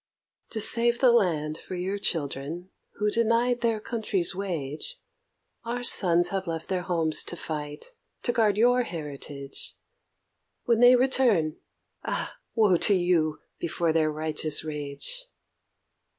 To save the land for your children, who denied their country's wage, Our sons have left their homes to fight, to guard your heritage; When they return Ah! woe to you before their righteous rage.